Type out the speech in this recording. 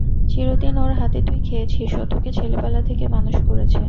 চিরদিন ওর হাতে তুই খেয়েছিস– ও তোকে ছেলেবেলা থেকে মানুষ করেছে।